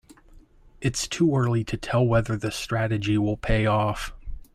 It's too early to tell whether the strategy will pay off.